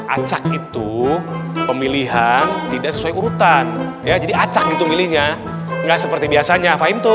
acak itu pemilihan tidak sesuai urutan ya jadi acak itu milihnya nggak seperti biasanya